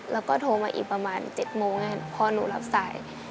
แล้วก็โทรมาอีกประมาณ๗โมงพอหนูรับสาย